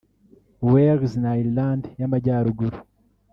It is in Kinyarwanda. Wales na Irland y’Amajyaruguru